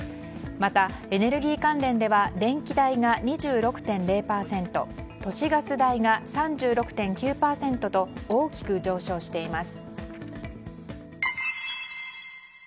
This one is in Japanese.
またエネルギー関連では電気代が２６．０％都市ガス代が３６．９％と大きく上昇しています。